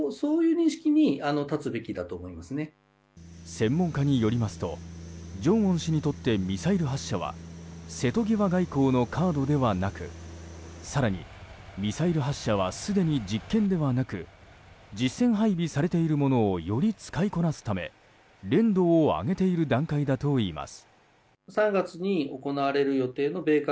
専門家によりますと正恩氏にとってミサイル発射は瀬戸際外交のカードではなく更に、ミサイル発射はすでに実験ではなく実戦配備されているものをより使いこなすため練度を上げている段階だといいます。